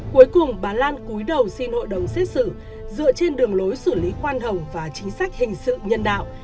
cuối cùng bà lan cúi đầu xin hội đồng xét xử dựa trên đường lối xử lý khoan hồng và chính sách hình sự nhân đạo